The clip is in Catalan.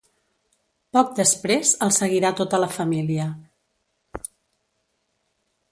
Poc després el seguirà tota la família.